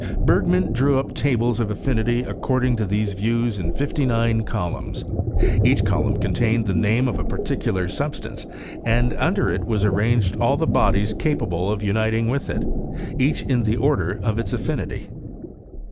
Bergman drew up tables of affinity according to IGRESS OP CHEMISTRY IN SWEDEN. 53 e views in fifty nine columns. Each column con tEuned the name of a particular substance, and under it was arranged all the bodies capable of uniting with it, each in the order of its affinity.